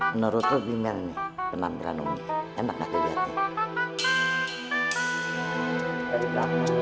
menurut rum ini teman teman umi enak banget dilihat